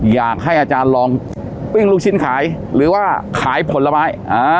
อยากให้อาจารย์ลองปิ้งลูกชิ้นขายหรือว่าขายผลไม้